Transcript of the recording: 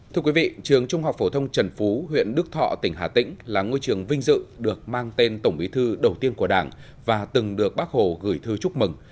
thưa quý vị trường trung học phổ thông trần phú huyện đức thọ tỉnh hà tĩnh là ngôi trường vinh dự được mang tên tổng bí thư đầu tiên của đảng và từng được bác hồ gửi thư chúc mừng